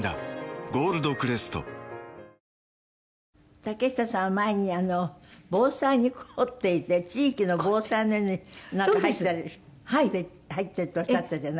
竹下さんは前に防災に凝っていて地域の防災やなんかになんか入っているっておっしゃったじゃない。